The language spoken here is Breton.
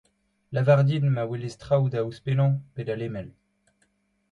lavar din ma welez traoù da ouzhpennañ (pe da lemel).